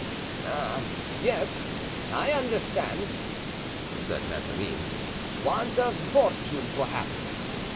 "Ah, yes, I understand," said Mazarin; "want of fortune, perhaps.